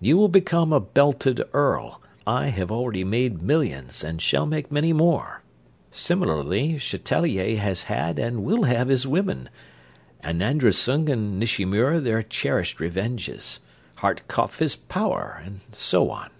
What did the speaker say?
You will become a belted earl. I have already made millions, and shall make many more. Similarly, Chatelier has had and will have his women, Anandrusung and Nishimura their cherished revenges. Hartkopf his power, and so on."